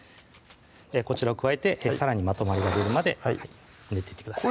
こちらを加えてさらにまとまりが出るまで練っていってください